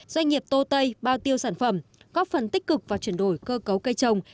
doanh nghiệp tô tây bao tiêu sản phẩm góp phần tích cực và chuyển đổi cơ cấu cây trồng